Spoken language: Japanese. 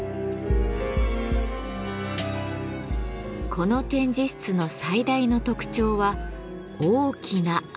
この展示室の最大の特徴は大きな穴。